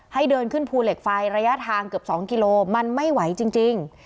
ให้เดินขึ้นภูเหล็กไฟระยะทางเกือบ๒กิโลมันไม่ไหวจริง